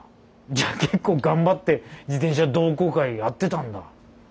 じゃあ結構頑張って自転車同好会やってたんだ。